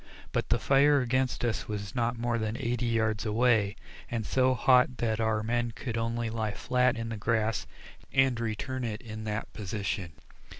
But the fire against us was not more than eighty yards away, and so hot that our men could only lie flat in the grass and return it in that position.